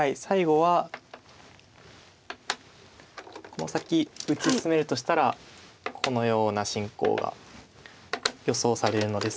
この先打ち進めるとしたらこのような進行が予想されるのですが。